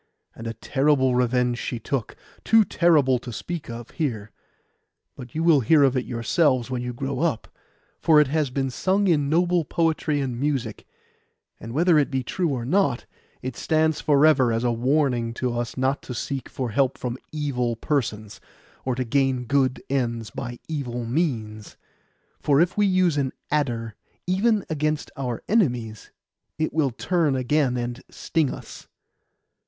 And a terrible revenge she took—too terrible to speak of here. But you will hear of it yourselves when you grow up, for it has been sung in noble poetry and music; and whether it be true or not, it stands for ever as a warning to us not to seek for help from evil persons, or to gain good ends by evil means. For if we use an adder even against our enemies, it will turn again and sting us.